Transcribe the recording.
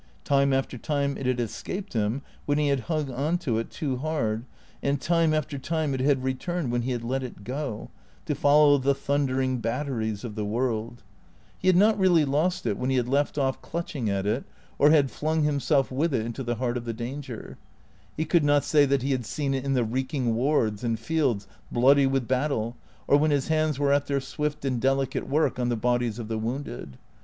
Time after time it had escaped him when he had hung on to it too hard, and time after time it had returned when he had let it go, to follow the thundering batteries of the world. He had 440 T H E C E E A T 0 R S not really lost it when he had left off clutching at it or had flung himself with it into the heart of the danger. He could not say that he had seen it in the reeking wards, and fields bloody with battle, or when his hands were at their swift and delicate work on the bodies of the wounded.